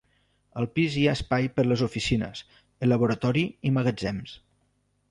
Al pis hi ha espai per les oficines, el laboratori i magatzems.